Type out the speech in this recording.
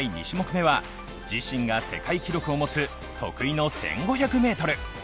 ２種目めは自身が世界記録を持つ得意の１５００ｍ。